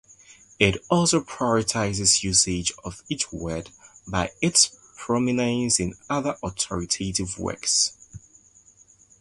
It also prioritises usage of each word by its prominence in other authoritative works.